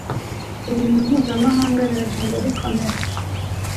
Ibintu mpuzamahanga biragenda bikomera